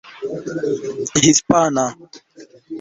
hispana